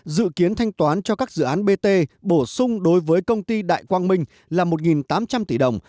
dự kiến thanh toán cho các dự án bt bổ sung đối với công ty đại quang minh là một tám trăm linh tỷ đồng